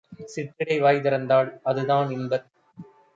சிற்றிடை வாய்திறந் தாள்.அதுதான் - இன்பத்